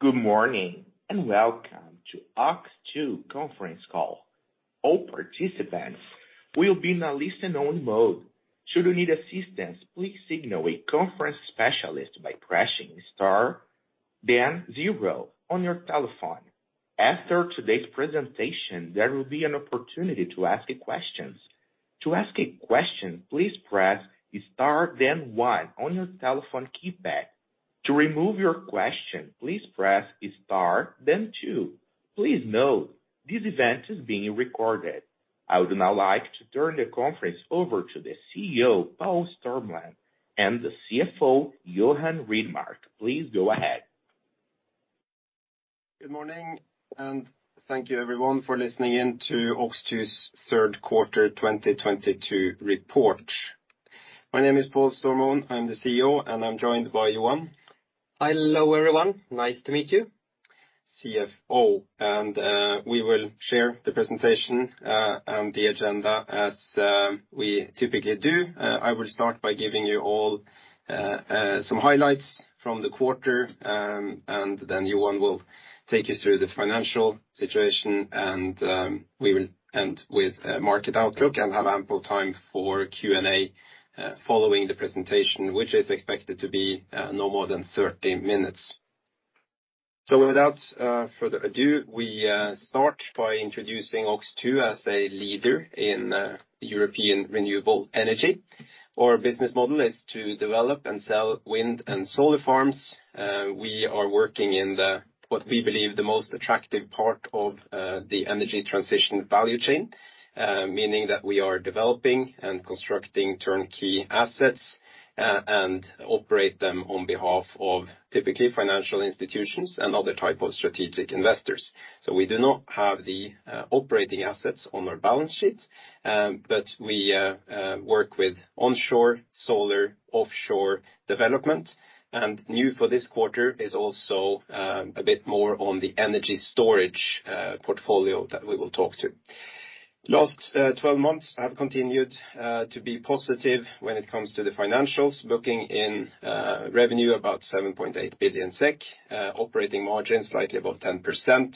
Good morning, and welcome to OX2 conference call. All participants will be in a listen-only mode. Should you need assistance, please signal a conference specialist by pressing star then zero on your telephone. After today's presentation, there will be an opportunity to ask questions. To ask a question, please press star then one on your telephone keypad. To remove your question, please press star then two. Please note this event is being recorded. I would now like to turn the conference over to the CEO, Paul Stormoen, and the CFO, Johan Rydmark. Please go ahead. Good morning, and thank you everyone for listening in to OX2's third quarter 2022 report. My name is Paul Stormoen. I'm the CEO, and I'm joined by Johan Rydmark. Hello, everyone. Nice to meet you. We will share the presentation and the agenda as we typically do. I will start by giving you all some highlights from the quarter. Johan will take you through the financial situation, and we will end with a market outlook and have ample time for Q&A following the presentation, which is expected to be no more than 30 minutes. Without further ado, we start by introducing OX2 as a leader in European renewable energy. Our business model is to develop and sell wind and solar farms. We are working in what we believe the most attractive part of the energy transition value chain, meaning that we are developing and constructing turnkey assets and operate them on behalf of typically financial institutions and other type of strategic investors. We do not have the operating assets on our balance sheet, but we work with onshore solar, offshore development. New for this quarter is also a bit more on the energy storage portfolio that we will talk to. Last 12 months have continued to be positive when it comes to the financials, booking in revenue about 7.8 billion SEK, operating margin slightly above 10%.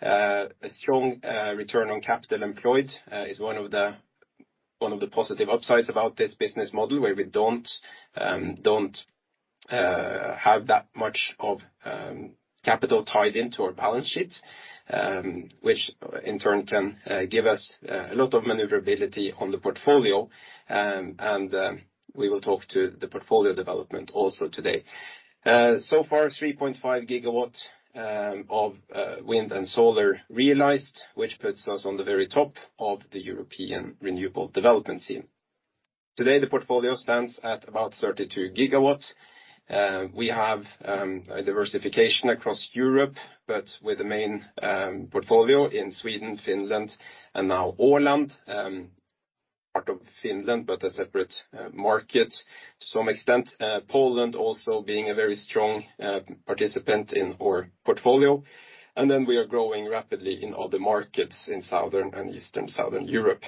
A strong return on capital employed is one of the positive upsides about this business model where we don't have that much of capital tied into our balance sheet, which in turn can give us a lot of maneuverability on the portfolio. We will talk to the portfolio development also today. So far 3.5 GW of wind and solar realized, which puts us on the very top of the European renewable development scene. Today, the portfolio stands at about 32 GW. We have a diversification across Europe, but with the main portfolio in Sweden, Finland, and now Åland, part of Finland, but a separate market to some extent, Poland also being a very strong participant in our portfolio. We are growing rapidly in other markets in Southern and Eastern Southern Europe.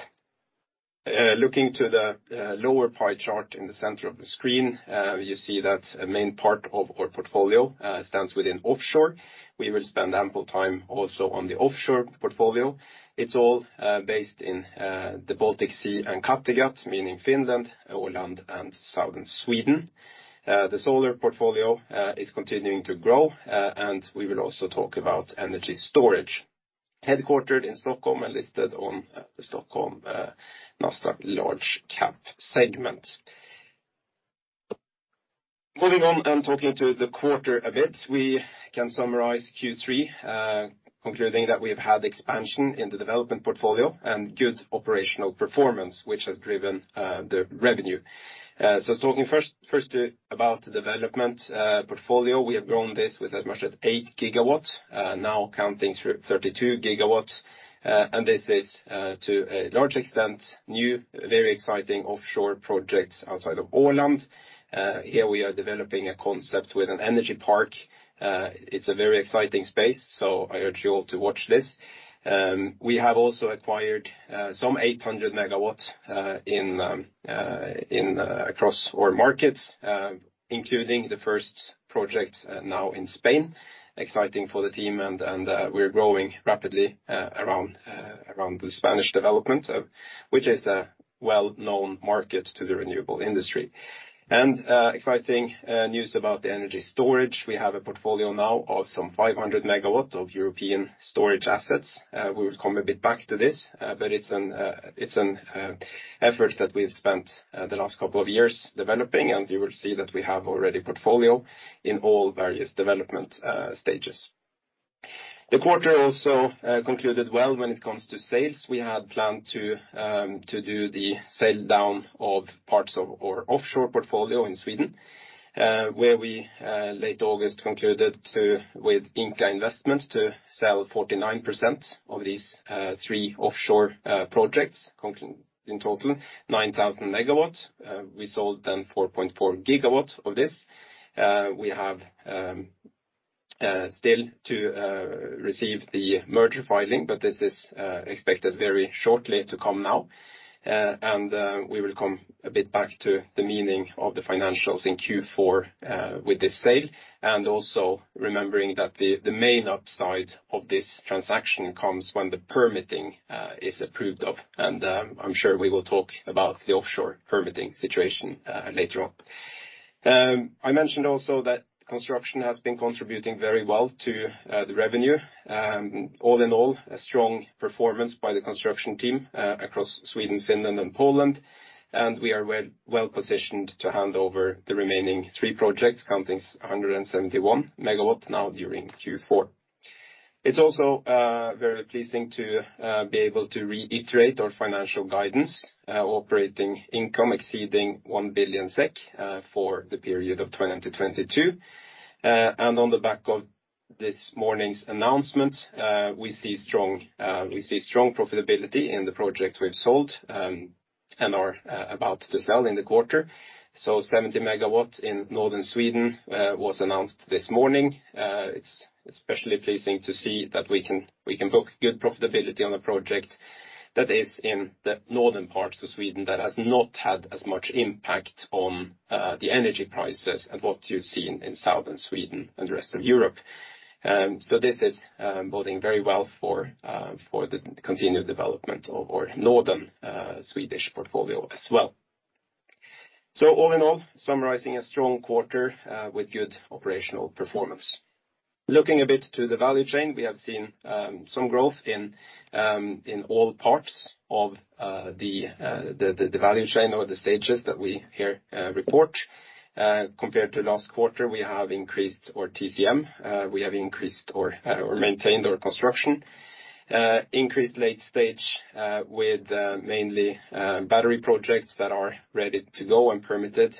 Looking to the lower pie chart in the center of the screen, you see that a main part of our portfolio stands within offshore. We will spend ample time also on the offshore portfolio. It's all based in the Baltic Sea and Kattegat, meaning Finland, Åland, and Southern Sweden. The solar portfolio is continuing to grow. We will also talk about energy storage. Headquartered in Stockholm and listed on the Nasdaq Stockholm large cap segment. Moving on, talking to the quarter a bit, we can summarize Q3, concluding that we have had expansion in the development portfolio and good operational performance, which has driven the revenue. Talking first about the development portfolio, we have grown this with as much as 8 GW, now counting 32 GW. This is to a large extent new, very exciting offshore projects outside of Åland. Here we are developing a concept with an energy park. It's a very exciting space, so I urge you all to watch this. We have also acquired some 800 MW across our markets, including the first project now in Spain. Exciting for the team and we're growing rapidly around the Spanish development, which is a well-known market to the renewable industry. Exciting news about the energy storage. We have a portfolio now of some 500 MW of European storage assets. We will come a bit back to this, but it's an effort that we've spent the last couple of years developing, and you will see that we have already portfolio in all various development stages. The quarter also concluded well when it comes to sales. We had planned to do the sale down of parts of our offshore portfolio in Sweden, where we late August concluded with Ingka Investments to sell 49% of these three offshore projects in total 9,000 MW. We sold them 4.4 GW of this. We have still to receive the merger filing, but this is expected very shortly to come now. We will come a bit back to the meaning of the financials in Q4 with this sale, and also remembering that the main upside of this transaction comes when the permitting is approved of. I'm sure we will talk about the offshore permitting situation later on. I mentioned also that construction has been contributing very well to the revenue. All in all, a strong performance by the construction team across Sweden, Finland and Poland, and we are well-positioned to hand over the remaining three projects counting 171 MW now during Q4. It's also very pleasing to be able to reiterate our financial guidance, operating income exceeding 1 billion SEK for the period of 2020-2022. On the back of this morning's announcement, we see strong profitability in the projects we've sold and are about to sell in the quarter. 70 MW in northern Sweden was announced this morning. It's especially pleasing to see that we can book good profitability on a project that is in the northern parts of Sweden that has not had as much impact on the energy prices and what you see in southern Sweden and the rest of Europe. This is boding very well for the continued development of our northern Swedish portfolio as well. All in all, summarizing a strong quarter with good operational performance. Looking a bit to the value chain, we have seen some growth in all parts of the value chain or the stages that we here report. Compared to last quarter, we have increased our TCM. We have increased or maintained our construction. Increased late stage with mainly battery projects that are ready to go and permitted.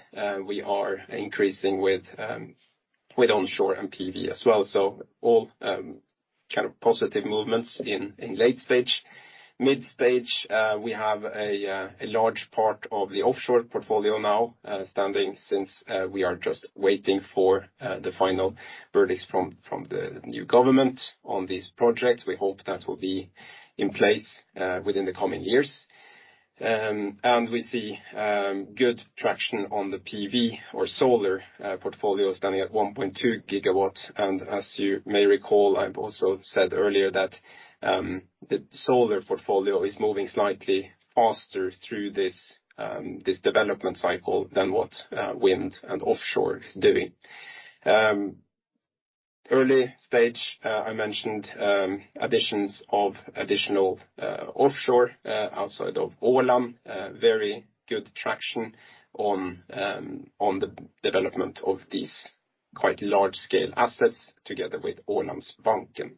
We are increasing with onshore PV as well. All kind of positive movements in late stage. Mid-stage, we have a large part of the offshore portfolio now standing still since we are just waiting for the final verdict from the new government on this project. We hope that will be in place within the coming years. We see good traction on the PV or solar portfolio standing at 1.2 GW. As you may recall, I've also said earlier that the solar portfolio is moving slightly faster through this development cycle than what wind and offshore is doing. Early stage, I mentioned additions of additional offshore outside of Åland very good traction on the development of these quite large-scale assets together with Ålandsbanken.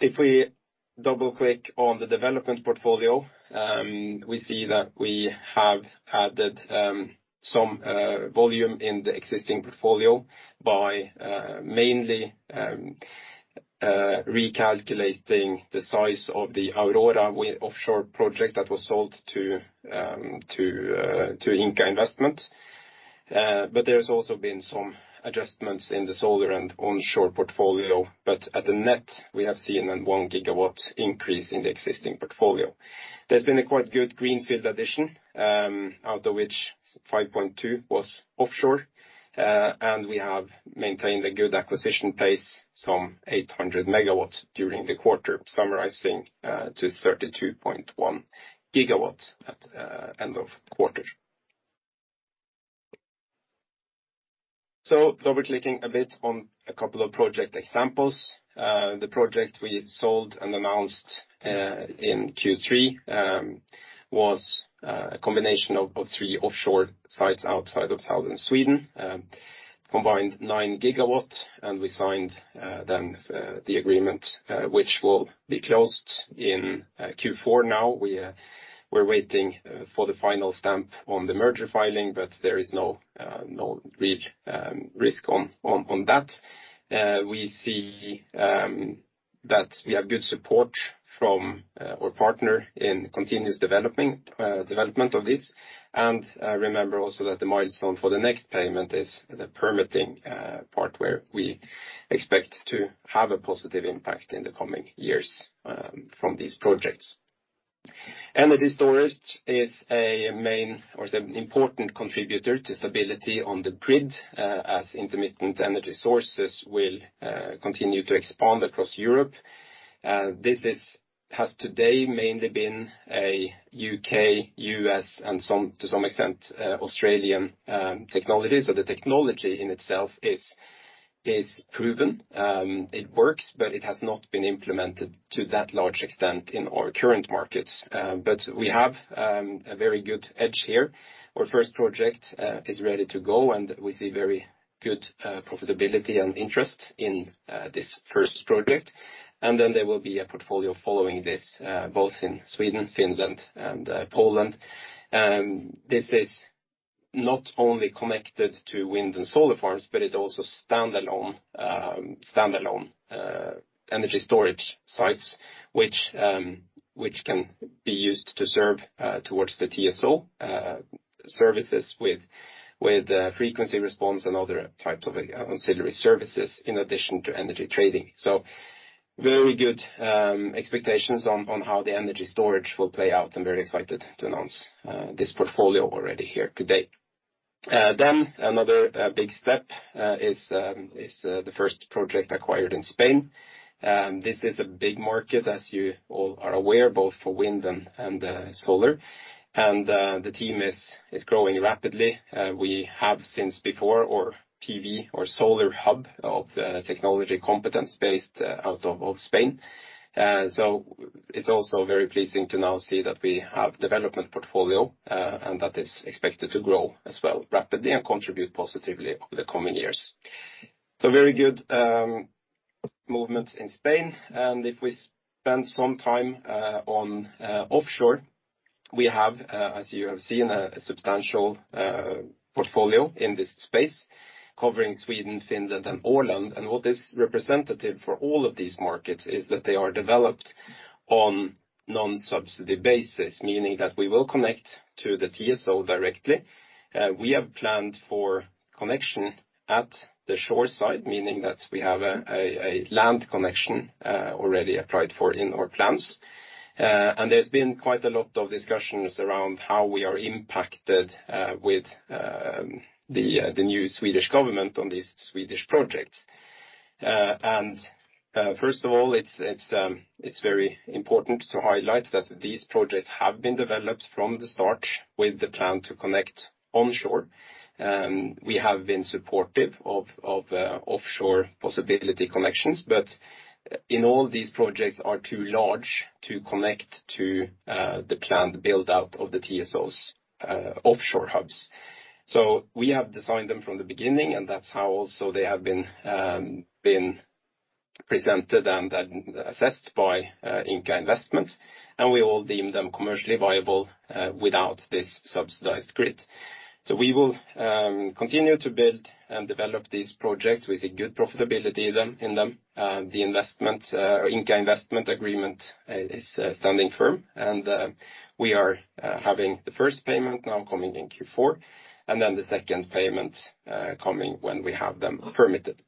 If we double-click on the development portfolio, we see that we have added some volume in the existing portfolio by mainly recalculating the size of the Aurora offshore project that was sold to Ingka Investments. There's also been some adjustments in the solar and onshore portfolio. At the net, we have seen a 1 GW increase in the existing portfolio. There's been a quite good greenfield addition, out of which 5.2 was offshore, and we have maintained a good acquisition pace, some 800 MW during the quarter, summarizing to 32.1 GW at end of quarter. Double-clicking a bit on a couple of project examples. The project we sold and announced in Q3 was a combination of three offshore sites outside of southern Sweden, combined 9 GW, and we signed then the agreement, which will be closed in Q4. Now, we're waiting for the final stamp on the merger filing, but there is no real risk on that. We see that we have good support from our partner in continuous development of this. Remember also that the milestone for the next payment is the permitting part where we expect to have a positive impact in the coming years from these projects. Energy storage is an important contributor to stability on the grid, as intermittent energy sources will continue to expand across Europe. This has today mainly been a U.K., U.S., and some, to some extent, Australian technology. The technology in itself is proven. It works, but it has not been implemented to that large extent in our current markets. But we have a very good edge here. Our first project is ready to go, and we see very good profitability and interest in this first project. Then there will be a portfolio following this, both in Sweden, Finland and Poland. This is not only connected to wind and solar farms, but it's also standalone energy storage sites, which can be used to serve towards the TSO services with frequency response and other types of ancillary services in addition to energy trading. Very good expectations on how the energy storage will play out. I'm very excited to announce this portfolio already here today. Another big step is the first project acquired in Spain. This is a big market, as you all are aware, both for wind and solar. The team is growing rapidly. We have since before our PV, our solar hub of the technology competence based out of Spain. It's also very pleasing to now see that we have development portfolio, and that is expected to grow as well rapidly and contribute positively over the coming years. Very good movements in Spain. If we spend some time on offshore, we have, as you have seen, a substantial portfolio in this space covering Sweden, Finland, and Åland. What is representative for all of these markets is that they are developed on non-subsidy basis, meaning that we will connect to the TSO directly. We have planned for connection at the shore side, meaning that we have a land connection already applied for in our plans. There's been quite a lot of discussions around how we are impacted with the new Swedish government on these Swedish projects. First of all, it's very important to highlight that these projects have been developed from the start with the plan to connect onshore. We have been supportive of offshore possibility connections, but in all these projects are too large to connect to the planned build-out of the TSOs offshore hubs. We have designed them from the beginning, and that's how also they have been presented and then assessed by Ingka Investments, and we all deem them commercially viable without this subsidized grid. We will continue to build and develop these projects with good profitability in them. The investment or Ingka investment agreement is standing firm, and we are having the first payment now coming in Q4, and then the second payment coming when we have them permitted.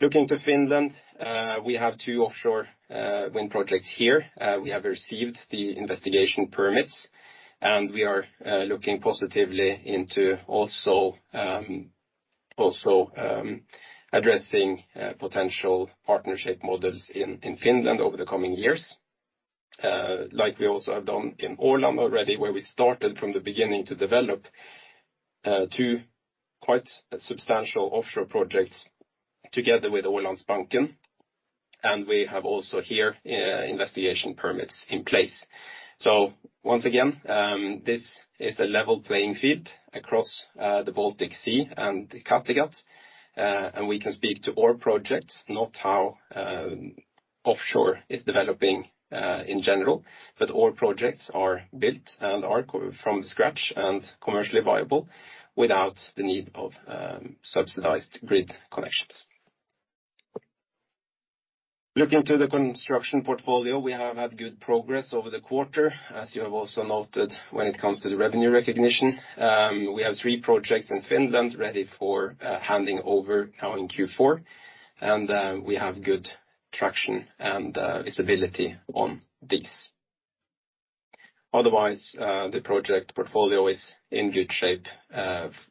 Looking to Finland, we have two offshore wind projects here. We have received the investigation permits, and we are looking positively into also addressing potential partnership models in Finland over the coming years. Like we also have done in Åland already, where we started from the beginning to develop two quite substantial offshore projects together with Ålandsbanken, and we have also here investigation permits in place. Once again, this is a level playing field across the Baltic Sea and the Kattegat, and we can speak to our projects, not how offshore is developing in general, but our projects are built and are from scratch and commercially viable without the need of subsidized grid connections. Looking to the construction portfolio, we have had good progress over the quarter. As you have also noted, when it comes to the revenue recognition, we have three projects in Finland ready for handing over now in Q4, and we have good traction and visibility on these. Otherwise, the project portfolio is in good shape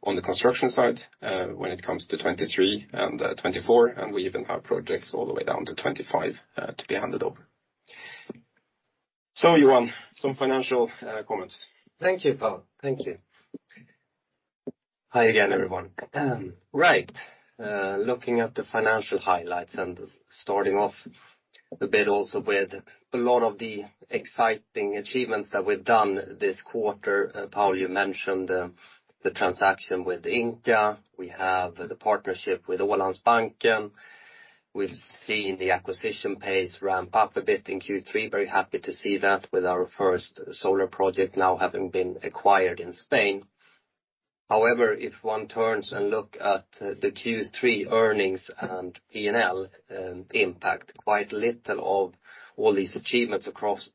on the construction side when it comes to 2023 and 2024, and we even have projects all the way down to 2025 to be handed over. Johan, some financial comments. Thank you, Paul. Thank you. Hi again, everyone. Right. Looking at the financial highlights and starting off a bit also with a lot of the exciting achievements that we've done this quarter. Paul, you mentioned the transaction with Ingka. We have the partnership with Ålandsbanken. We've seen the acquisition pace ramp up a bit in Q3. Very happy to see that with our first solar project now having been acquired in Spain. However, if one turns and look at the Q3 earnings and P&L impact, quite little of all these achievements across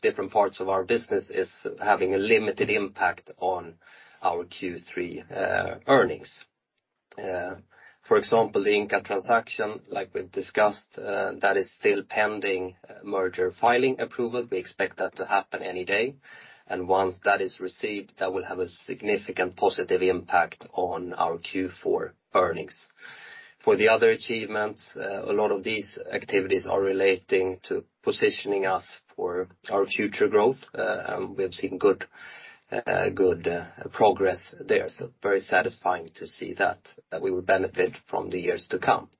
different parts of our business is having a limited impact on our Q3 earnings. For example, the Ingka transaction, like we've discussed, that is still pending merger filing approval. We expect that to happen any day. Once that is received, that will have a significant positive impact on our Q4 earnings. For the other achievements, a lot of these activities are relating to positioning us for our future growth. We have seen good progress there. Very satisfying to see that we will benefit from the years to come.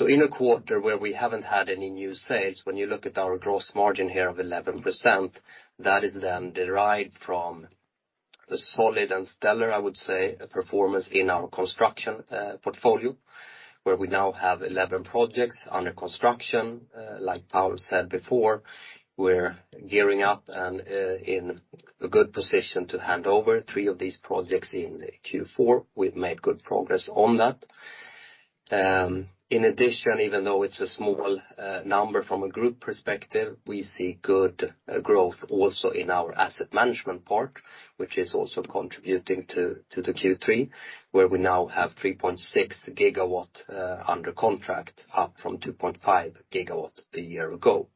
In a quarter where we haven't had any new sales, when you look at our gross margin here of 11%, that is then derived from the solid and stellar, I would say, performance in our construction portfolio, where we now have 11 projects under construction. Like Paul said before, we're gearing up and in a good position to hand over three of these projects in Q4. We've made good progress on that. In addition, even though it's a small number from a group perspective, we see good growth also in our asset management part, which is also contributing to the Q3, where we now have 3.6 GW under contract, up from 2.5 GW a year ago.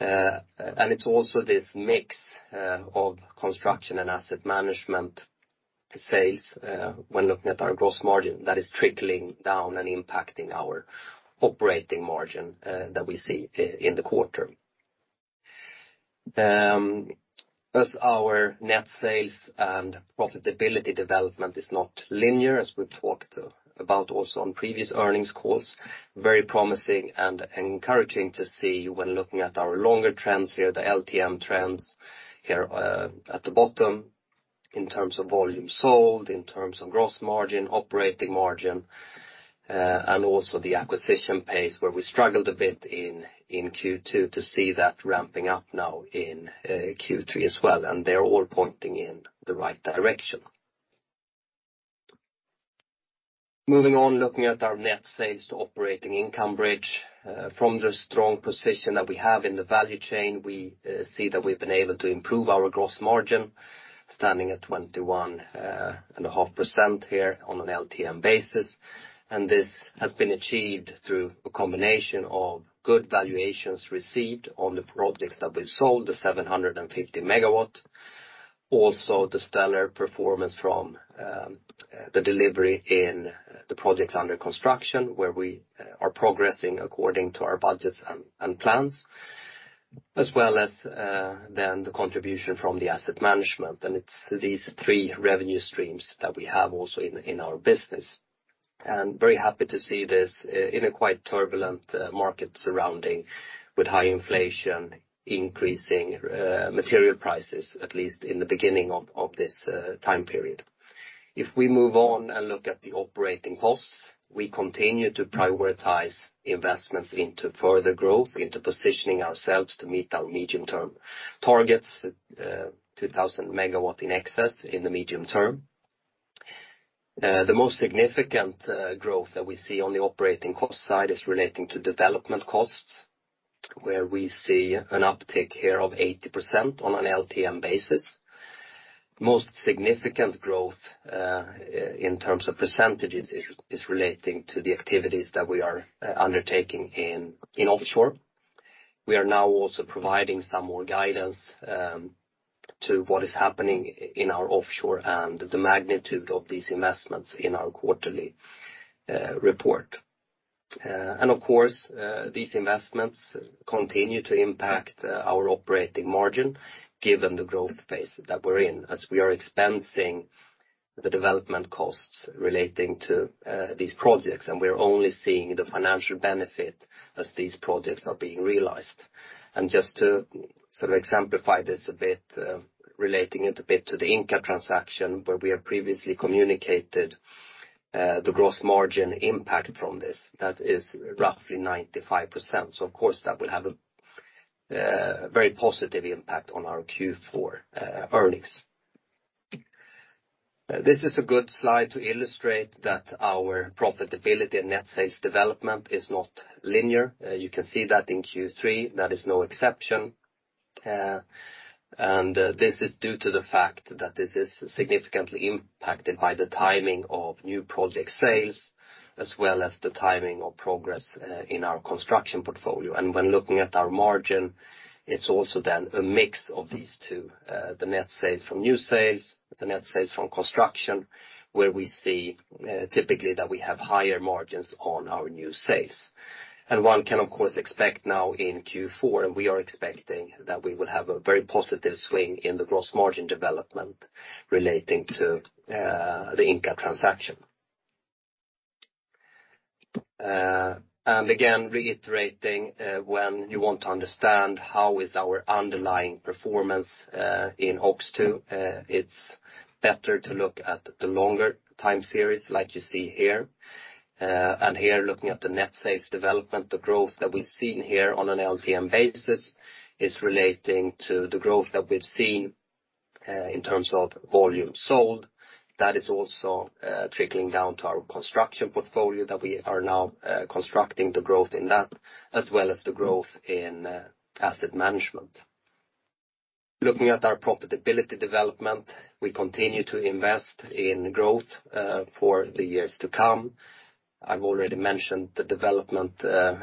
It's also this mix of construction and asset management sales, when looking at our gross margin that is trickling down and impacting our operating margin, that we see in the quarter. As our net sales and profitability development is not linear, as we've talked about also on previous earnings calls, very promising and encouraging to see when looking at our longer trends here, the LTM trends here, at the bottom in terms of volume sold, in terms of gross margin, operating margin, and also the acquisition pace, where we struggled a bit in Q2 to see that ramping up now in Q3 as well. They're all pointing in the right direction. Moving on, looking at our net sales to operating income bridge. From the strong position that we have in the value chain, we see that we've been able to improve our gross margin, standing at 21.5% here on an LTM basis. This has been achieved through a combination of good valuations received on the projects that we've sold, the 750 MW. Also the stellar performance from the delivery in the projects under construction, where we are progressing according to our budgets and plans, as well as then the contribution from the asset management. It's these three revenue streams that we have also in our business. Very happy to see this in a quite turbulent market surrounding with high inflation, increasing material prices, at least in the beginning of this time period. If we move on and look at the operating costs, we continue to prioritize investments into further growth, into positioning ourselves to meet our medium-term targets, 2,000 MW in excess in the medium term. The most significant growth that we see on the operating cost side is relating to development costs, where we see an uptick here of 80% on an LTM basis. Most significant growth in terms of percentages is relating to the activities that we are undertaking in offshore. We are now also providing some more guidance to what is happening in our offshore and the magnitude of these investments in our quarterly report. Of course, these investments continue to impact our operating margin given the growth phase that we're in, as we are expensing the development costs relating to these projects, and we're only seeing the financial benefit as these projects are being realized. Just to sort of exemplify this a bit, relating it a bit to the Ingka transaction, where we have previously communicated the gross margin impact from this, that is roughly 95%. Of course, that will have a very positive impact on our Q4 earnings. This is a good slide to illustrate that our profitability and net sales development is not linear. You can see that in Q3. That is no exception. This is due to the fact that this is significantly impacted by the timing of new project sales as well as the timing of progress in our construction portfolio. When looking at our margin, it's also then a mix of these two, the net sales from new sales, the net sales from construction, where we see typically that we have higher margins on our new sales. One can, of course, expect now in Q4, and we are expecting, that we will have a very positive swing in the gross margin development relating to the Ingka transaction. Again, reiterating, when you want to understand how is our underlying performance in OX2, it's better to look at the longer time series like you see here. Here, looking at the net sales development, the growth that we've seen here on an LTM basis is relating to the growth that we've seen in terms of volume sold. That is also trickling down to our construction portfolio that we are now constructing the growth in that, as well as the growth in asset management. Looking at our profitability development, we continue to invest in growth for the years to come. I've already mentioned the development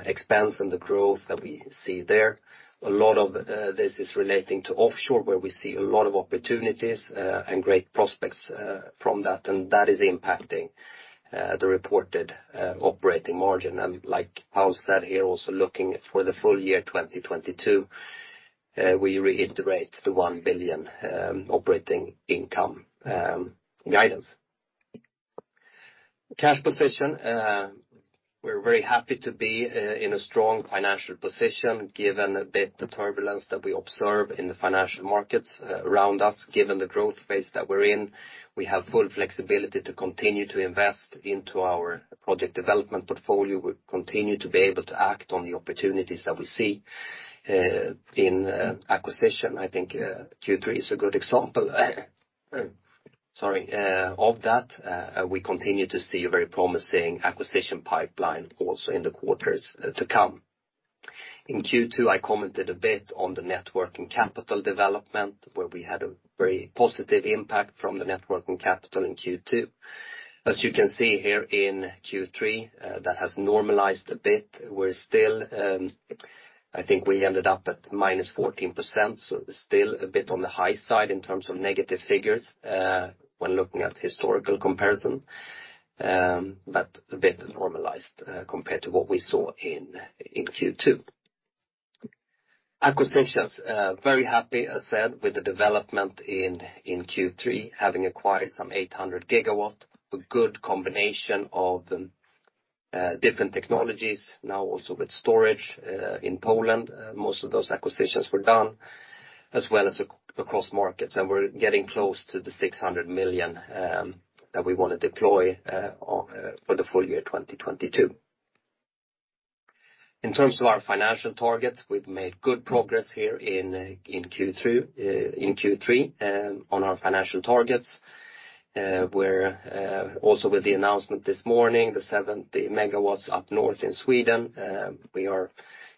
expense and the growth that we see there. A lot of this is relating to offshore, where we see a lot of opportunities and great prospects from that, and that is impacting the reported operating margin. Like I've said here, also looking for the full year 2022, we reiterate the 1 billion operating income guidance. Cash position, we're very happy to be in a strong financial position given the bit of turbulence that we observe in the financial markets around us. Given the growth phase that we're in, we have full flexibility to continue to invest into our project development portfolio. We continue to be able to act on the opportunities that we see in acquisition. I think Q3 is a good example of that, we continue to see a very promising acquisition pipeline also in the quarters to come. In Q2, I commented a bit on the network and capital development, where we had a very positive impact from the network and capital in Q2. As you can see here in Q3, that has normalized a bit. We're still, I think we ended up at -14%, so still a bit on the high side in terms of negative figures, when looking at historical comparison, but a bit normalized, compared to what we saw in Q2. Acquisitions, very happy, as said, with the development in Q3, having acquired some 800 GW, a good combination of different technologies now also with storage in Poland, most of those acquisitions were done, as well as across markets. We're getting close to the 600 million that we wanna deploy for the full year 2022. In terms of our financial targets, we've made good progress here in Q3 on our financial targets. We're also with the announcement this morning, the 70 MW up north in Sweden, we are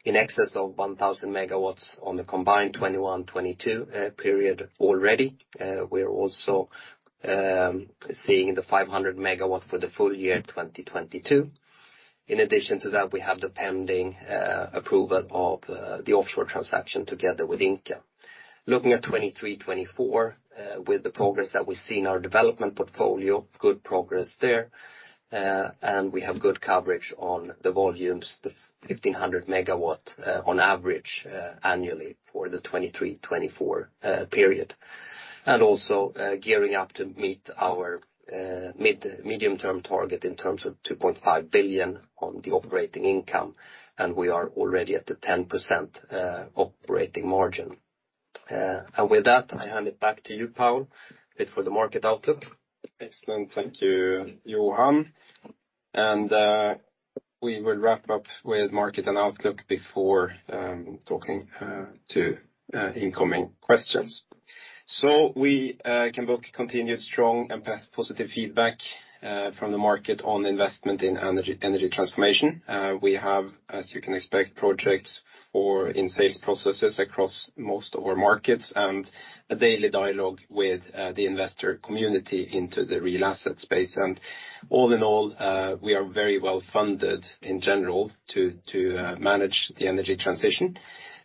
in excess of 1,000 MW on the combined 2021-2022 period already. We are also seeing the 500 MW for the full year 2022. In addition to that, we have the pending approval of the offshore transaction together with Ingka. Looking at 2023, 2024 with the progress that we see in our development portfolio, good progress there, and we have good coverage on the volumes, the 1,500 megawatt on average annually for the 2023-2024 period. Gearing up to meet our mid, medium-term target in terms of 2.5 billion on the operating income, and we are already at the 10% operating margin. With that, I hand it back to you, Paul bit for the market outlook. Excellent. Thank you, Johan. We will wrap up with market and outlook before talking to incoming questions. We can book continued strong and past positive feedback from the market on investment in energy transformation. We have, as you can expect, projects in sales processes across most of our markets and a daily dialogue with the investor community in the real asset space. All in all, we are very well-funded in general to manage the energy transition.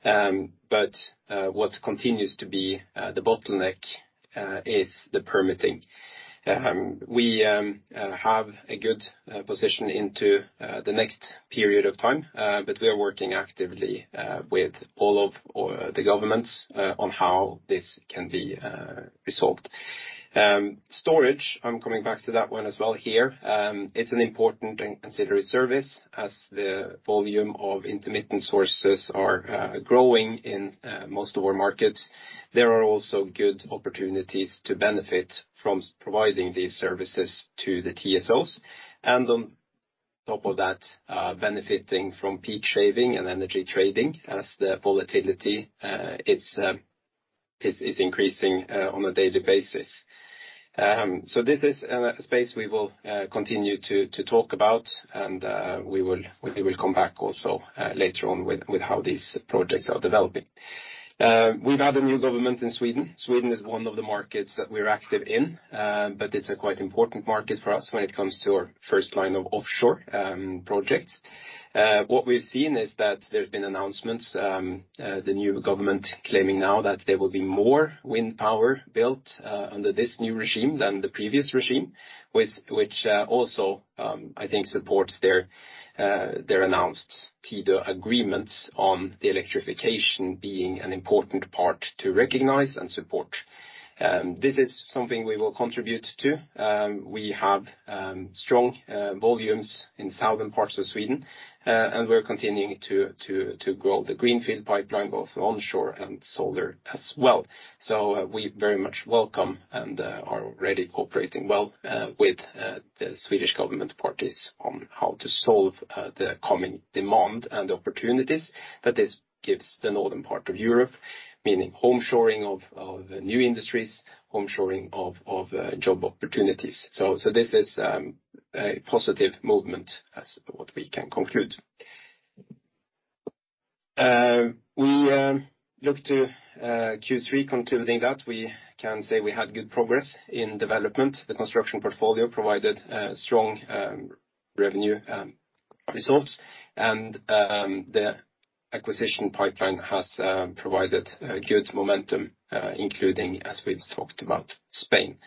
What continues to be the bottleneck is the permitting. We have a good position in the next period of time, but we are working actively with all of the governments on how this can be resolved. Storage, I'm coming back to that one as well here. It's an important and considered service as the volume of intermittent sources are growing in most of our markets. There are also good opportunities to benefit from providing these services to the TSOs. On top of that, benefiting from peak shaving and energy trading as the volatility is increasing on a daily basis. This is a space we will continue to talk about, and we will come back also later on with how these projects are developing. We've had a new government in Sweden. Sweden is one of the markets that we're active in, but it's a quite important market for us when it comes to our first line of offshore projects. What we've seen is that there's been announcements, the new government claiming now that there will be more wind power built under this new regime than the previous regime, which also, I think supports their announced key agreements on the electrification being an important part to recognize and support. This is something we will contribute to. We have strong volumes in southern parts of Sweden, and we're continuing to grow the greenfield pipeline, both onshore and solar as well. We very much welcome and are already cooperating well with the Swedish government parties on how to solve the common demand and opportunities that this gives the northern part of Europe, meaning home shoring of new industries, home shoring of job opportunities. This is a positive movement as what we can conclude. We look to Q3 concluding that we can say we had good progress in development. The construction portfolio provided strong revenue results. The acquisition pipeline has provided good momentum, including, as we've talked about, Spain.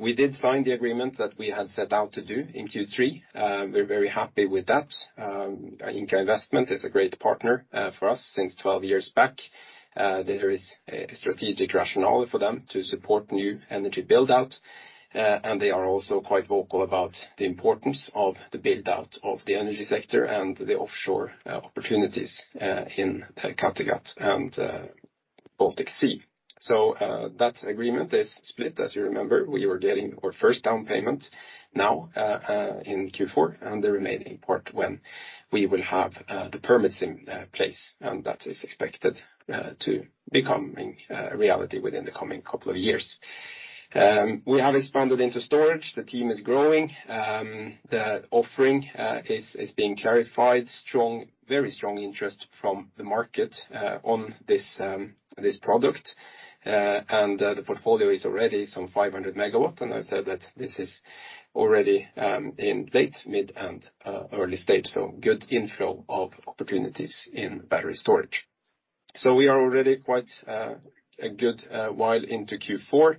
We did sign the agreement that we had set out to do in Q3. We're very happy with that. Ingka Investments is a great partner for us since 12 years back. There is a strategic rationale for them to support new energy build-out, and they are also quite vocal about the importance of the build-out of the energy sector and the offshore opportunities in Kattegat and Baltic Sea. That agreement is split. As you remember, we were getting our first down payment now in Q4, and the remaining part when we will have the permits in place, and that is expected to becoming reality within the coming couple of years. We have expanded into storage. The team is growing. The offering is being clarified. Strong. Very strong interest from the market on this product. The portfolio is already some 500 MW, and I said that this is already in late, mid, and early stage, so good inflow of opportunities in battery storage. We are already quite a good while into Q4.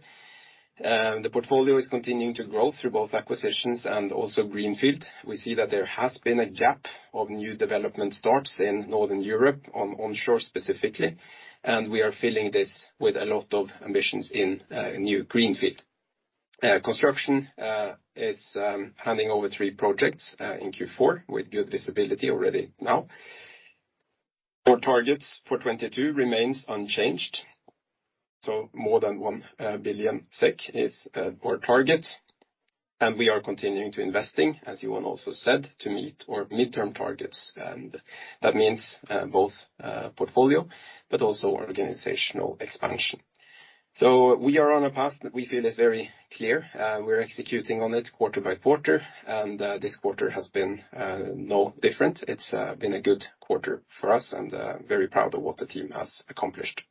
The portfolio is continuing to grow through both acquisitions and also greenfield. We see that there has been a gap of new development starts in Northern Europe, on onshore specifically, and we are filling this with a lot of ambitions in new greenfield. Construction is handing over three projects in Q4 with good visibility already now. Our targets for 2022 remains unchanged. More than 1 billion SEK is our target. We are continuing to investing, as Johan also said, to meet our midterm targets. That means both portfolio, but also organizational expansion. We are on a path that we feel is very clear. We're executing on it quarter-by-quarter, and this quarter has been no different. It's been a good quarter for us and very proud of what the team has accomplished.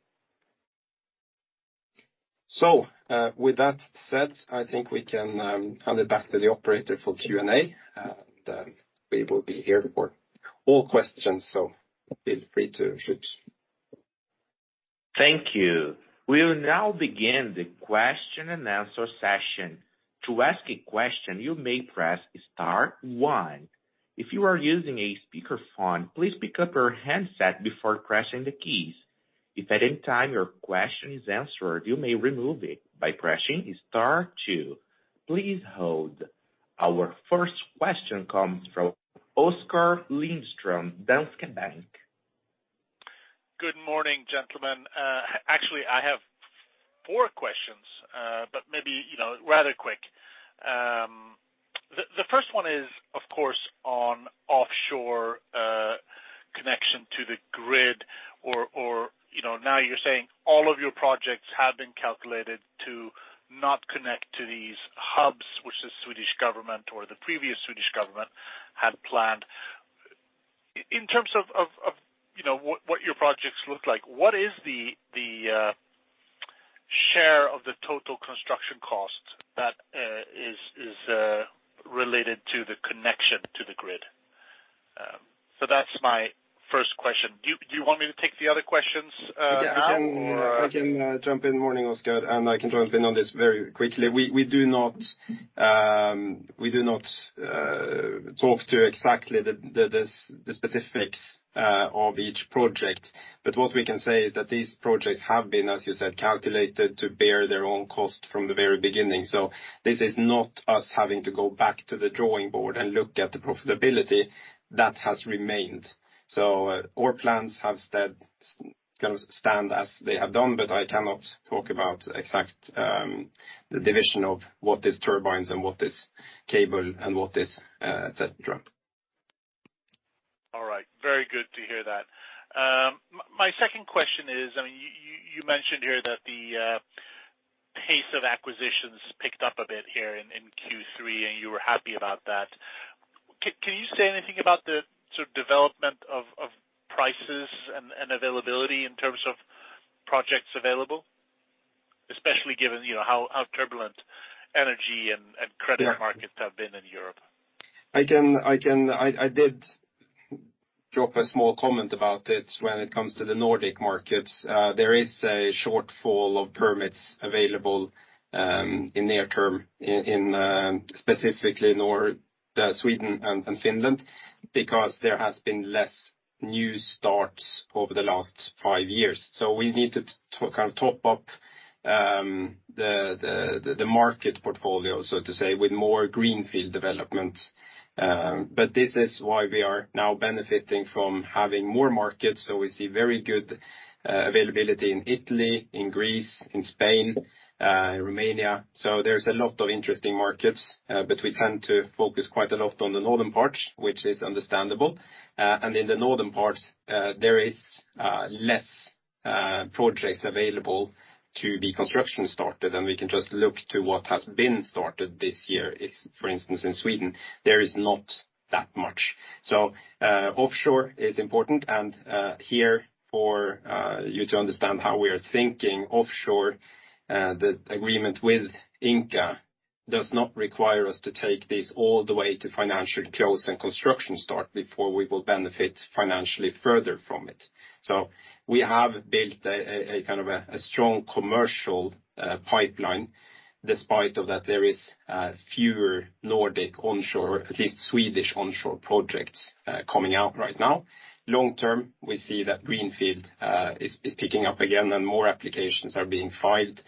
With that said, I think we can hand it back to the operator for Q&A, and we will be here for all questions, so feel free to shoot. Thank you. We'll now begin the question and answer session. To ask a question, you may press star one. If you are using a speakerphone, please pick up your handset before pressing the keys. If at any time your question is answered, you may remove it by pressing star two. Please hold. Our first question comes from Oskar Lindstrom, Danske Bank. Good morning, gentlemen. Actually, I have four questions, but maybe, you know, rather quick. The first one is, of course, on offshore connection to the grid or you know, now you're saying all of your projects have been calculated to not connect to these hubs, which the Swedish government or the previous Swedish government had planned. In terms of you know, what your projects look like, what is the share of the total construction cost that is related to the connection to the grid? So that's my first question. Do you want me to take the other questions now or? I can jump in. Morning, Oskar, and I can jump in on this very quickly. We do not talk about exactly the specifics of each project. What we can say is that these projects have been, as you said, calculated to bear their own cost from the very beginning. This is not us having to go back to the drawing board and look at the profitability that has remained. Our plans gonna stand as they have done, but I cannot talk about exact division of what is turbines and what is cable and what is et cetera. All right. Very good to hear that. My second question is, I mean, you mentioned here that the pace of acquisitions picked up a bit here in Q3, and you were happy about that. Can you say anything about the sort of development of prices and availability in terms of projects available? Especially given, you know, how turbulent energy and credit markets have been in Europe. I did drop a small comment about it when it comes to the Nordic markets. There is a shortfall of permits available in near term in specifically Sweden and Finland, because there has been less new starts over the last five years. We need to kind of top up the market portfolio, so to say, with more greenfield development. This is why we are now benefiting from having more markets, so we see very good availability in Italy, in Greece, in Spain, in Romania. There's a lot of interesting markets, but we tend to focus quite a lot on the northern parts, which is understandable. In the northern parts, there is less projects available to be construction started, and we can just look to what has been started this year. If, for instance, in Sweden, there is not that much. Offshore is important and here for you to understand how we are thinking offshore, the agreement with Ingka does not require us to take this all the way to financial close and construction start before we will benefit financially further from it. We have built a kind of a strong commercial pipeline despite the fact that there is fewer Nordic onshore, at least Swedish onshore projects, coming out right now. Long-term, we see that greenfield is picking up again and more applications are being filed.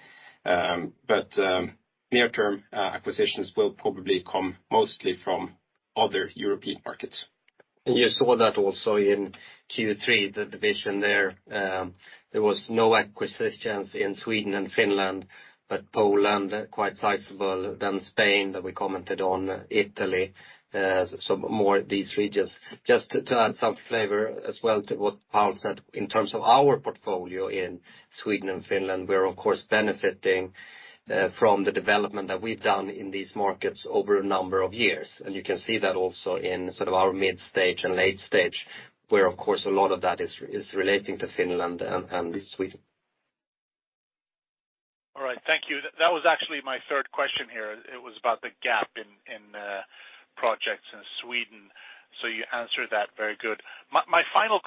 Near term, acquisitions will probably come mostly from other European markets. You saw that also in Q3, the division there was no acquisitions in Sweden and Finland but Poland quite sizable, then Spain that we commented on, Italy, so more these regions. Just to add some flavor as well to what Paul said, in terms of our portfolio in Sweden and Finland, we're of course benefiting from the development that we've done in these markets over a number of years. You can see that also in sort of our mid stage and late stage where of course a lot of that is relating to Finland and Sweden. All right. Thank you. That was actually my third question here. It was about the gap in projects in Sweden. You answered that very good. My final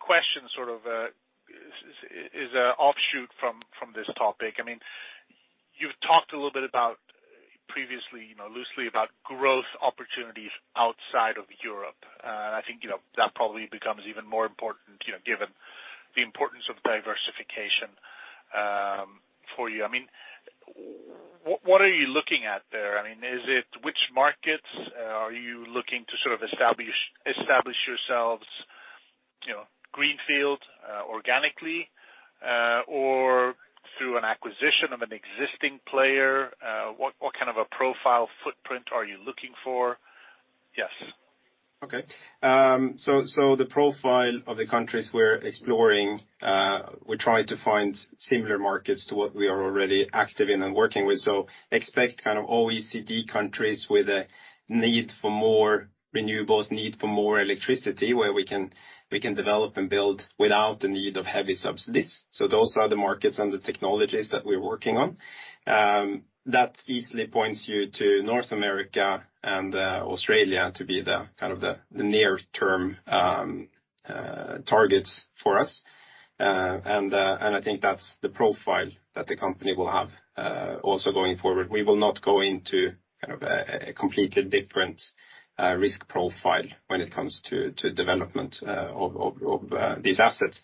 question sort of is an offshoot from this topic. I mean, you've talked a little bit about previously, you know, loosely about growth opportunities outside of Europe. I think, you know, that probably becomes even more important, you know, given the importance of diversification for you. I mean, what are you looking at there? I mean, is it which markets are you looking to sort of establish yourselves, you know, greenfield organically or through an acquisition of an existing player? What kind of a profile footprint are you looking for? Yes. Okay. The profile of the countries we're exploring, we're trying to find similar markets to what we are already active in and working with. Expect kind of OECD countries with a need for more renewables, need for more electricity, where we can develop and build without the need of heavy subsidies. Those are the markets and the technologies that we're working on. That easily points you to North America and Australia to be the kind of the near-term targets for us. And I think that's the profile that the company will have also going forward. We will not go into kind of a completely different risk profile when it comes to development of these assets.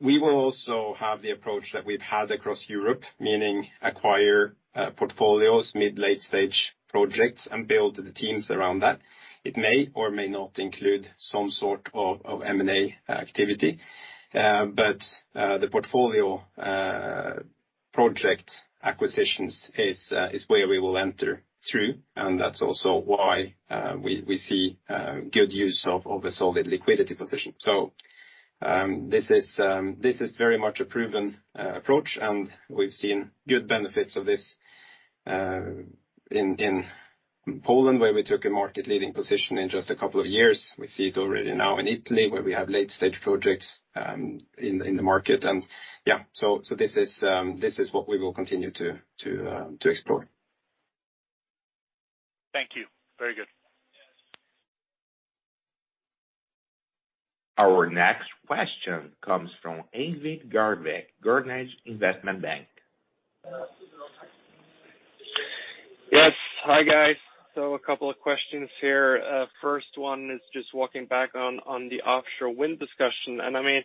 We will also have the approach that we've had across Europe, meaning acquire portfolios, mid, late stage projects, and build the teams around that. It may or may not include some sort of M&A activity. The portfolio project acquisitions is where we will enter through, and that's also why we see good use of a solid liquidity position. This is very much a proven approach, and we've seen good benefits of this in Poland, where we took a market leading position in just a couple of years. We see it already now in Italy, where we have late-stage projects in the market. This is what we will continue to explore. Thank you. Very good. Our next question comes from Eivind Garvik, Carnegie Investment Bank. A couple of questions here. First one is just walking back on the offshore wind discussion. I mean,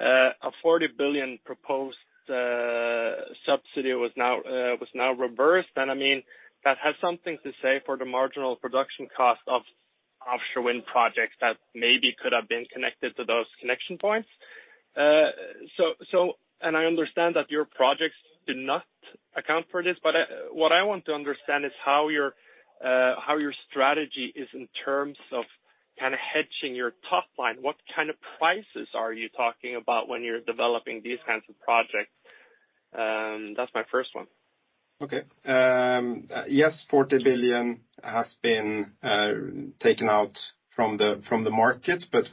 a 40 billion proposed subsidy was now reversed. I mean, that has something to say for the marginal production cost of offshore wind projects that maybe could have been connected to those connection points. I understand that your projects do not account for this, but what I want to understand is how your strategy is in terms of kind of hedging your top line. What kind of prices are you talking about when you're developing these kinds of projects? That's my first one. Okay. Yes, 40 billion has been taken out from the market, but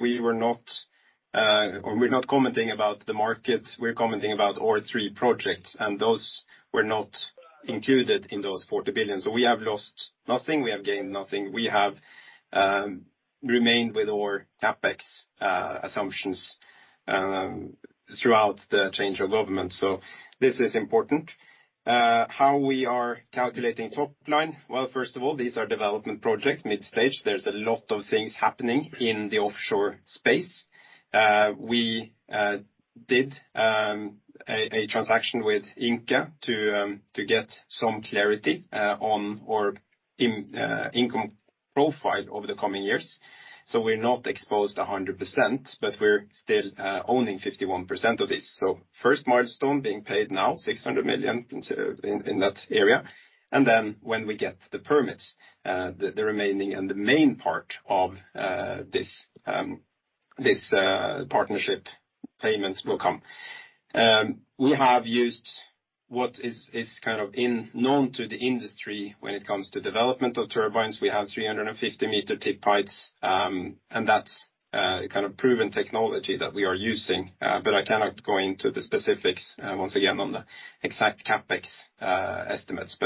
we're not commenting about the market, we're commenting about our three projects, and those were not included in those 40 billion. We have lost nothing, we have gained nothing. We have remained with our CapEx assumptions throughout the change of government. This is important. How are we calculating top line? Well, first of all, these are development projects, mid stage. There's a lot of things happening in the offshore space. We did a transaction with Ingka to get some clarity on our income profile over the coming years. We're not exposed 100%, but we're still owning 51% of this. First milestone being paid now, 600 million in that area. Then when we get the permits, the remaining and the main part of this partnership payments will come. We have used what is kind of known to the industry when it comes to development of turbines. We have 350-meter tip heights, and that's kind of proven technology that we are using. I cannot go into the specifics once again on the exact CapEx estimates.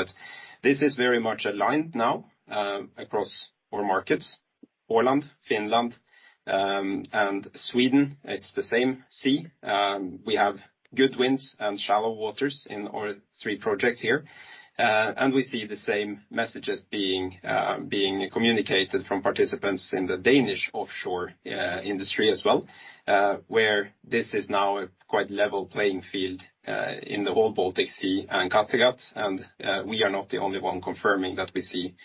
This is very much aligned now across our markets, Åland, Finland, and Sweden. It's the same sea. We have good winds and shallow waters in our three projects here. We see the same messages being communicated from participants in the Danish offshore industry as well, where this is now a quite level playing field in the whole Baltic Sea and Kattegat. We are not the only one confirming that we see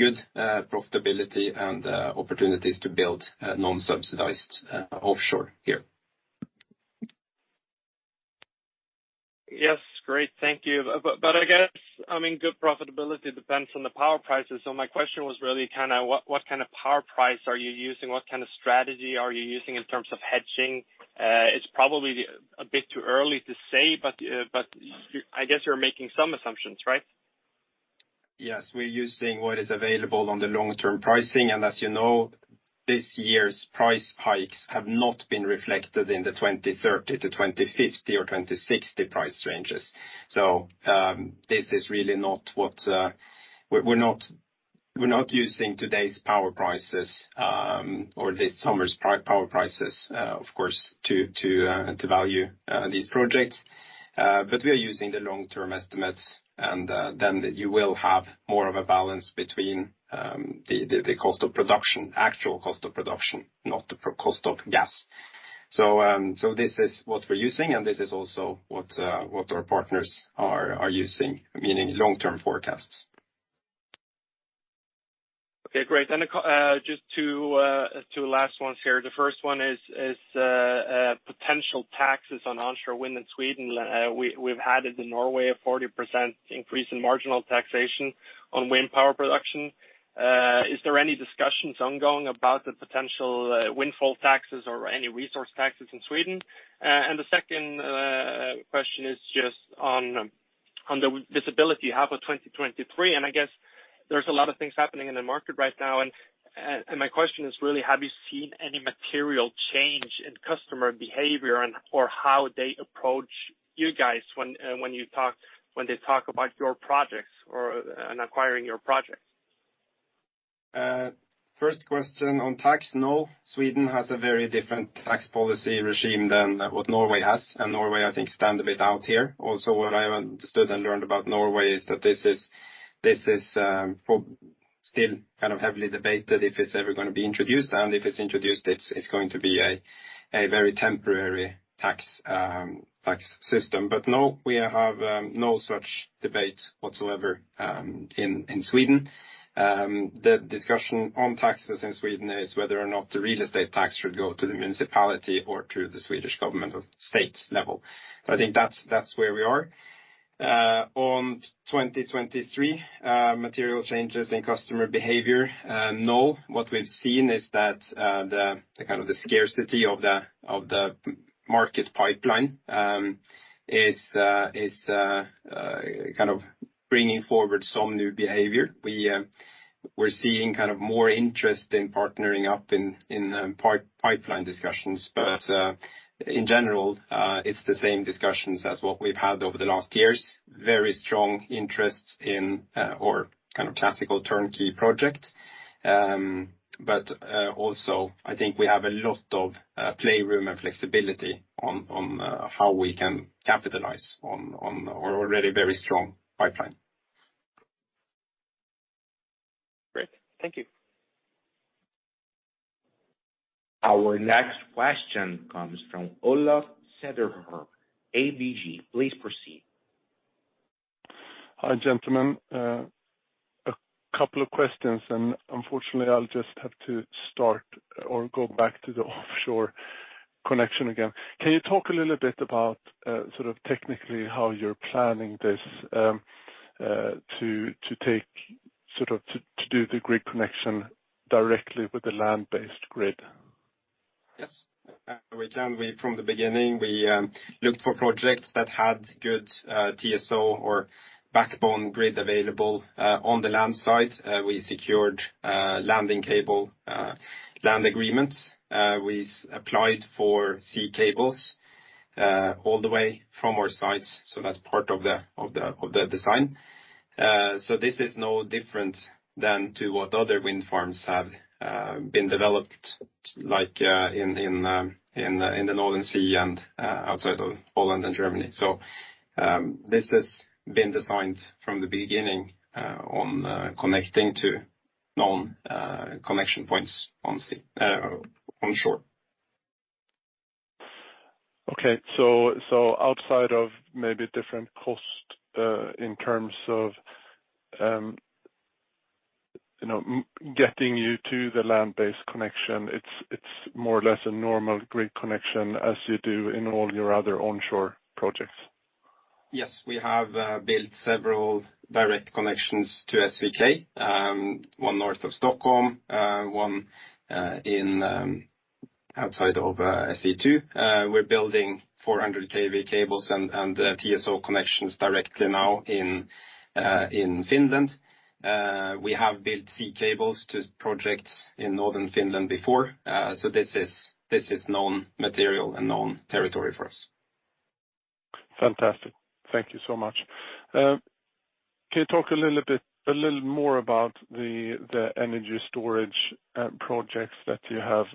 good profitability and opportunities to build non-subsidized offshore here. Yes. Great. Thank you. I guess, I mean, good profitability depends on the power prices. My question was really kinda what kind of power price are you using? What kind of strategy are you using in terms of hedging? It's probably a bit too early to say, but you I guess you're making some assumptions, right? Yes. We're using what is available on the long-term pricing. As you know, this year's price hikes have not been reflected in the 2030 to 2050 or 2060 price ranges. This is really not what we're not using today's power prices or this summer's power prices, of course, to value these projects. We are using the long-term estimates, and then you will have more of a balance between the cost of production, actual cost of production, not the cost of gas. This is what we're using, and this is also what our partners are using, meaning long-term forecasts. Okay, great. Just two last ones here. The first one is potential taxes on onshore wind in Sweden. We've had it in Norway, a 40% increase in marginal taxation on wind power production. Is there any discussions ongoing about the potential windfall taxes or any resource taxes in Sweden? The second question is just on the visibility half of 2023, and I guess there's a lot of things happening in the market right now. My question is really have you seen any material change in customer behavior or how they approach you guys when they talk about your projects or acquiring your projects? First question on tax, no. Sweden has a very different tax policy regime than what Norway has. Norway, I think, stand a bit out here. Also, what I understood and learned about Norway is that this is still kind of heavily debated if it's ever gonna be introduced, and if it's introduced, it's going to be a very temporary tax system. No, we have no such debate whatsoever in Sweden. The discussion on taxes in Sweden is whether or not the real estate tax should go to the municipality or to the Swedish governmental state level. I think that's where we are. In 2023, material changes in customer behavior, no. What we've seen is that the kind of scarcity of the market pipeline is kind of bringing forward some new behavior. We're seeing kind of more interest in partnering up in pipeline discussions. In general it's the same discussions as what we've had over the last years. Very strong interest in or kind of classical turnkey project. Also I think we have a lot of playroom and flexibility on how we can capitalize on our already very strong pipeline. Great. Thank you. Our next question comes from Olof Cederholm, ABG. Please proceed. Hi, gentlemen. Unfortunately I'll just have to start or go back to the offshore connection again. Can you talk a little bit about sort of technically how you're planning this to do the grid connection directly with the land-based grid? Yes. We can. From the beginning, we looked for projects that had good TSO or backbone grid available on the land site. We secured landing cable land agreements. We applied for sea cables all the way from our sites, so that's part of the design. This is no different than to what other wind farms have been developed, like in the North Sea and outside of Holland and Germany. This has been designed from the beginning on connecting to known connection points on sea on shore. Okay. Outside of maybe different cost in terms of you know getting you to the land-based connection it's more or less a normal grid connection as you do in all your other onshore projects? Yes. We have built several direct connections to Svk, one north of Stockholm, one outside of SE2. We're building 400 kV cables and TSO connections directly now in Finland. We have built sea cables to projects in northern Finland before. This is known material and known territory for us. Fantastic. Thank you so much. Can you talk a little bit, a little more about the energy storage projects that you have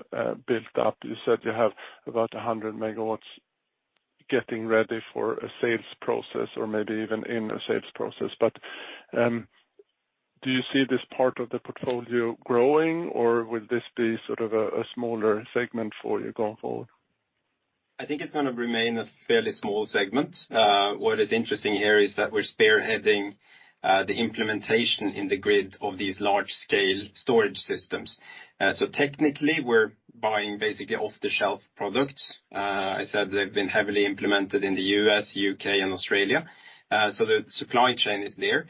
built up? You said you have about 100 MW getting ready for a sales process or maybe even in a sales process, but do you see this part of the portfolio growing, or will this be sort of a smaller segment for you going forward? I think it's gonna remain a fairly small segment. What is interesting here is that we're spearheading the implementation in the grid of these large scale storage systems. So technically, we're buying basically off-the-shelf products. As I said, they've been heavily implemented in the U.S., U.K. and Australia. So the supply chain is there.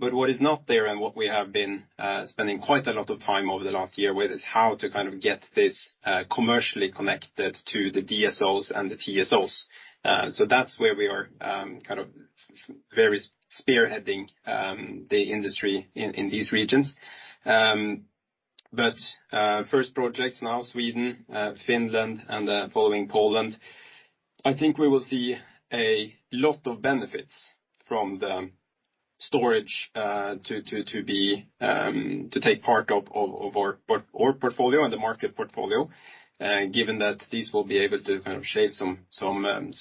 But what is not there and what we have been spending quite a lot of time over the last year with, is how to kind of get this commercially connected to the DSOs and the TSOs. So that's where we are, kind of very spearheading the industry in these regions. First projects now Sweden, Finland and following Poland. I think we will see a lot of benefits from the storage to take part of our portfolio and the market portfolio. Given that these will be able to kind of shave some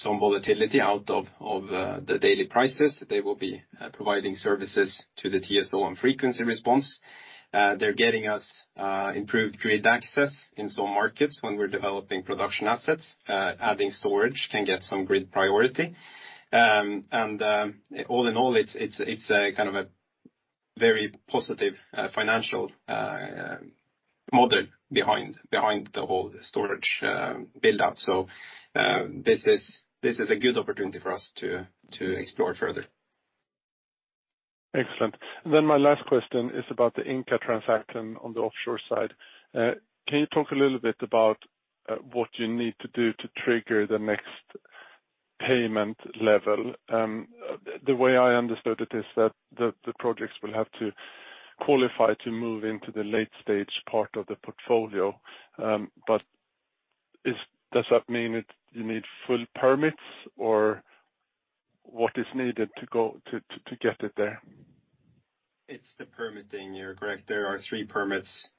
volatility out of the daily prices. They will be providing services to the TSO and frequency response. They're getting us improved grid access in some markets when we're developing production assets. Adding storage can get some grid priority. All in all, it's a kind of a very positive financial model behind the whole storage build out. This is a good opportunity for us to explore it further. Excellent. My last question is about the Ingka transaction on the offshore side. Can you talk a little bit about what you need to do to trigger the next payment level? The way I understood it is that the projects will have to qualify to move into the late-stage part of the portfolio. Does that mean you need full permits or what is needed to go to get it there? It's the permitting. You're correct. There are three permits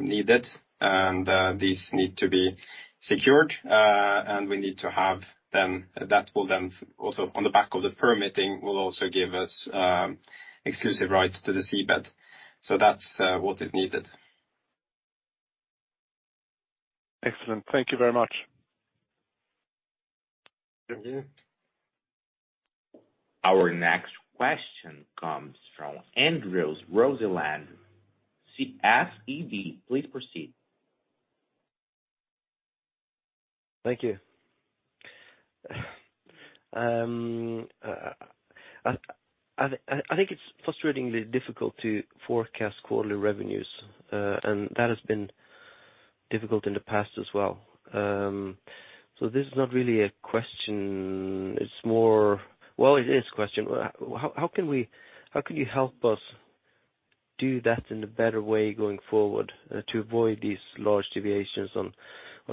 needed, and these need to be secured. We need to have them. That will then also, on the back of the permitting, will also give us exclusive rights to the seabed. That's what is needed. Excellent. Thank you very much. Thank you. Our next question comes from Anders Rosenlund, SEB. Please proceed. Thank you. I think it's frustratingly difficult to forecast quarterly revenues, and that has been difficult in the past as well. This is not really a question. It's more. Well, it is a question. How can you help us do that in a better way going forward, to avoid these large deviations on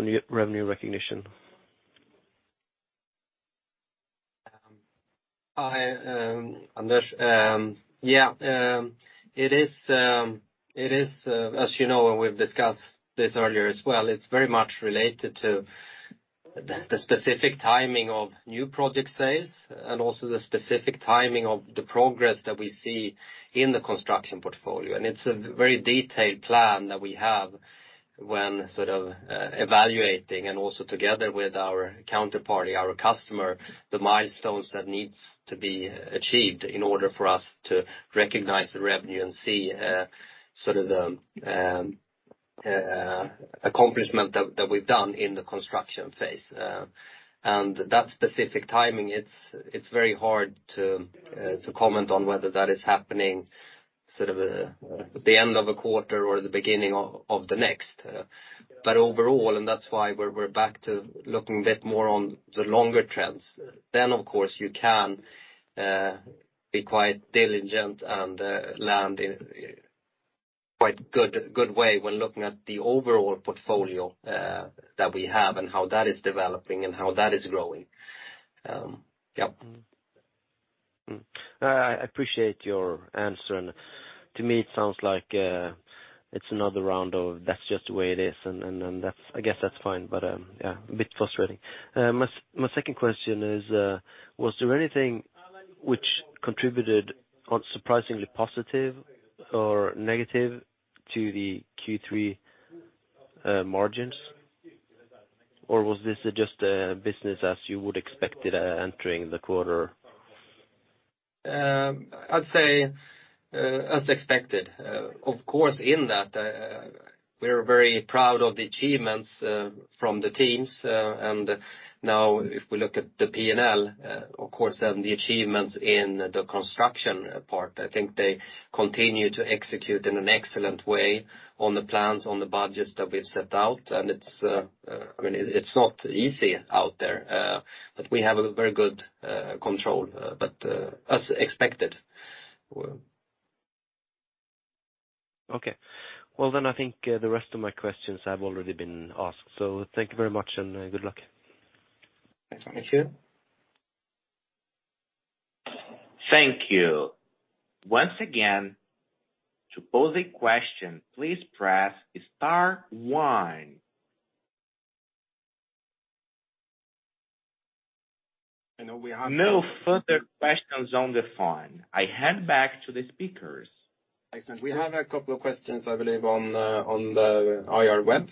your revenue recognition? Hi, Anders. Yeah, it is, as you know, and we've discussed this earlier as well, it's very much related to the specific timing of new project sales and also the specific timing of the progress that we see in the construction portfolio. It's a very detailed plan that we have when sort of evaluating and also together with our counterparty, our customer, the milestones that needs to be achieved in order for us to recognize the revenue and see sort of the accomplishment that we've done in the construction phase. That specific timing, it's very hard to comment on whether that is happening sort of at the end of a quarter or the beginning of the next. Overall, that's why we're back to looking a bit more on the longer trends. Of course you can be quite diligent and land in quite good way when looking at the overall portfolio that we have and how that is developing and how that is growing. Yep. I appreciate your answer. To me it sounds like it's another round of that's just the way it is. I guess that's fine, but yeah, a bit frustrating. My second question is, was there anything which contributed to surprisingly positive or negative to the Q3 margins? Or was this just a business as you would expect it entering the quarter? I'd say, as expected. Of course, in that, we're very proud of the achievements from the teams. Now if we look at the P&L, of course, then the achievements in the construction part, I think they continue to execute in an excellent way on the plans, on the budgets that we've set out. It's, I mean, it's not easy out there, but we have a very good control, but, as expected. Okay. Well, I think, the rest of my questions have already been asked. Thank you very much and good luck. Thanks so much. Thank you. Once again, to pose a question, please press star one. I know we have No further questions on the phone. I hand back to the speakers. Excellent. We have a couple of questions, I believe, on the IR website.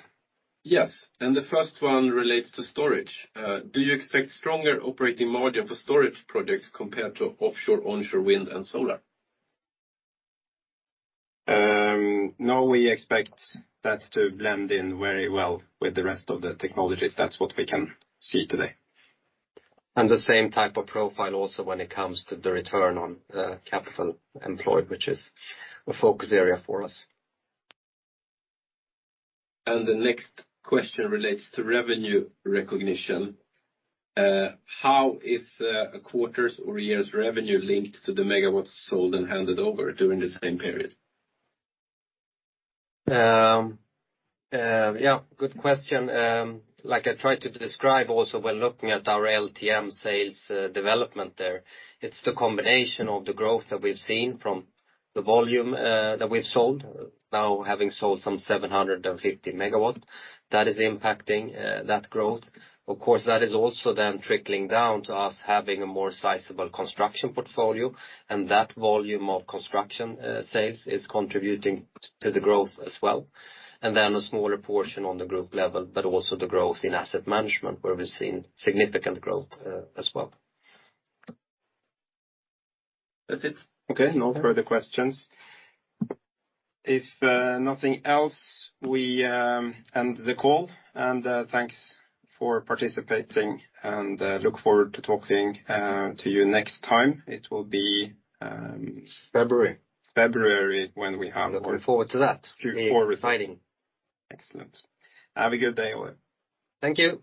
Yes. The first one relates to storage. Do you expect stronger operating margin for storage projects compared to offshore/onshore wind and solar? No, we expect that to blend in very well with the rest of the technologies. That's what we can see today. The same type of profile also when it comes to the return on capital employed, which is a focus area for us. The next question relates to revenue recognition. How is a quarter's or a year's revenue linked to the megawatts sold and handed over during the same period? Yeah, good question. Like I tried to describe also when looking at our LTM sales development there, it's the combination of the growth that we've seen from the volume that we've sold, now having sold some 750 MW, that is impacting that growth. Of course, that is also then trickling down to us having a more sizable construction portfolio, and that volume of construction sales is contributing to the growth as well. Then a smaller portion on the group level, but also the growth in asset management, where we're seeing significant growth as well. That's it. Okay. No further questions. If nothing else, we end the call. Thanks for participating and look forward to talking to you next time. February. February when we have. Looking forward to that. Q4 results. Exciting. Excellent. Have a good day, all. Thank you.